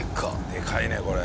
でかいねこれ。